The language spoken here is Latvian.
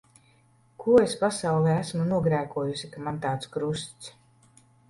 Ko es pasaulē esmu nogrēkojusi, ka man tāds krusts.